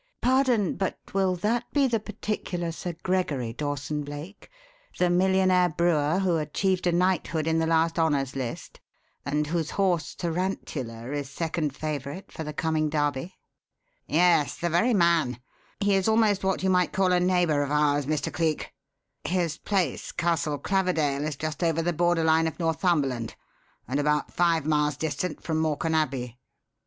"Pardon, but will that be the particular Sir Gregory Dawson Blake the millionaire brewer who achieved a knighthood in the last 'Honours List' and whose horse, Tarantula, is second favourite for the coming Derby?" "Yes, the very man. He is almost what you might call a neighbour of ours, Mr. Cleek. His place, Castle Claverdale, is just over the border line of Northumberland and about five miles distant from Morcan Abbey.